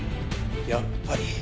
やっぱり。